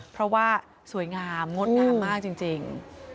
เพราะว่าสวยงามงดงามมากจริง